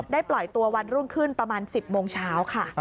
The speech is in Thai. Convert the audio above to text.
ปล่อยตัววันรุ่งขึ้นประมาณ๑๐โมงเช้าค่ะ